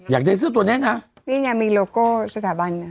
อยากได้เสื้อตัวเนี้ยนะนี่ไงมีโลโก้สถาบันน่ะ